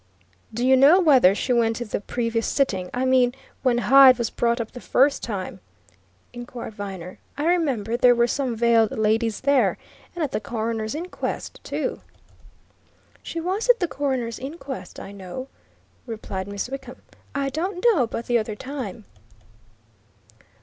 "Do you know whether she went to the previous sitting? I mean when Hyde was brought up the first time?" inquired Viner. "I remember there were some veiled ladies there and at the coroner's inquest, too." "She was at the coroner's inquest, I know," replied Miss Wickham. "I don't know about the other time."